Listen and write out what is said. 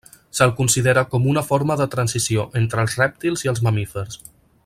Se'l considera com una forma de transició entre els rèptils i els mamífers.